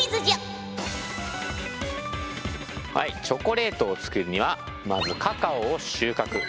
チョコレートを作るにはまずカカオを収穫。